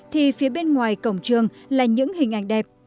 thì phía bên ngoài cổng trường là những hình ảnh đẹp